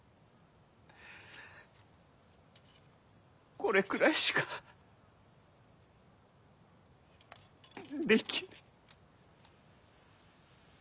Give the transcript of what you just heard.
これくらいしかできぬ。